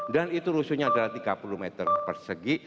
dan itu rusunnya adalah tiga puluh meter persegi